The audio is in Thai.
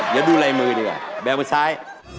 อย่าดูละรายมือดีกว่าดูซ้าย